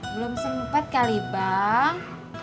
belum sempat kali bang